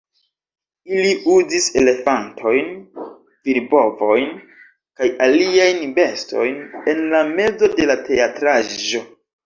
Ili uzis elefantojn, virbovojn kaj aliajn bestojn en la mezo de la teatraĵo